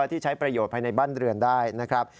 ที่ใช้ประโยชน์ภายในบ้านเรือนได้นะครับ